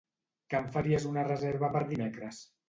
Que em faries una reserva per dimecres?